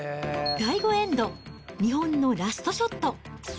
第５エンド、日本のラストショット。